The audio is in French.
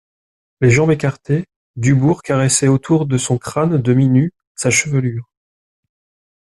Les jambes écartées, Dubourg caressait autour de son crâne demi-nu sa chevelure.